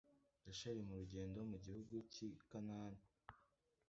Rasheli mu rugendo mu gihugu cy i kanani